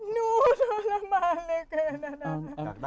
หนูทรมานเลยครับ